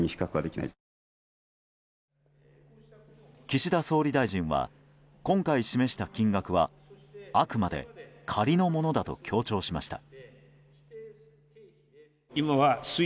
岸田総理大臣は今回示した金額はあくまで仮のものだと強調しました。